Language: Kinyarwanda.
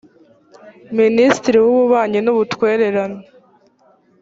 minisitiri w ububanyi n ubutwererana